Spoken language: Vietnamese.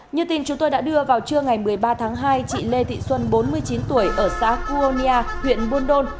như tin chúng tôi đã đưa vào trưa ngày một mươi ba tháng hai chị lê thị xuân bốn mươi chín tuổi ở xã cuaya huyện buôn đôn